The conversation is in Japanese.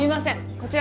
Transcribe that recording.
こちら